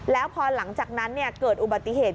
แล้วพอหลังจากนั้นเกิดอุบัติเหตุ